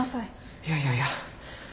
いやいやいや。